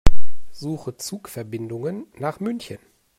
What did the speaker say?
Suche Zugverbindungen nach München.